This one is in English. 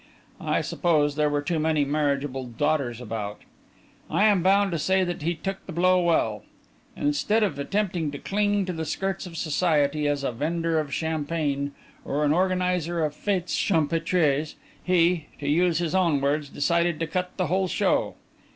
I suppose there were too many marriageable daughters about! I am bound to say that he took the blow well. Instead of attempting to cling to the skirts of Society as a vendor of champagne or an organiser of fêtes champêtres, he to use his own words decided to cut the whole show.